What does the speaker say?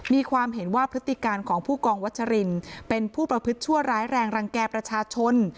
มีความเห็นว่าพฤติการของผู้กองวัชรินเป็นผู้ประพฤติชั่วร้ายแรงรังแก่ประชาชน